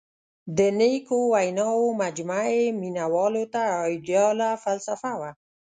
• د نیکو ویناوو مجموعه یې مینوالو ته آیډیاله فلسفه وه.